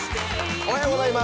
おはようございます。